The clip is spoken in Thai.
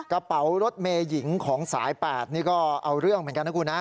กระเป๋ารถเมย์หญิงของสาย๘นี่ก็เอาเรื่องเหมือนกันนะคุณฮะ